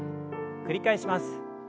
繰り返します。